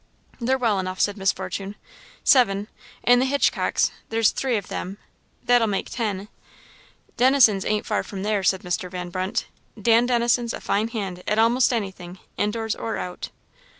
"They're well enough," said Miss Fortune. "Seven and the Hitchcocks, there's three of them, that'll make ten " "Dennison's ain't far from there," said Mr. Van Brunt. "Dan Dennison's a fine hand at a'most anything, in doors or out."